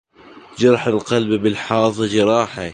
جرح القلب باللحاظ جراحا